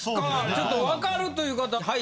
ちょっと分かるという方「はい」